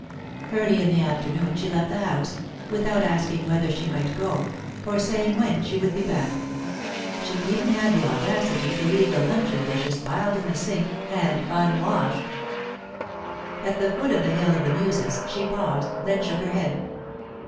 Early in the afternoon she left the house, without asking whether she might go, or saying when she would be back. She even had the audacity to leave the luncheon dishes piled in the sink, and unwashed. At the foot of the Hill of the Muses, she paused, then shook her head.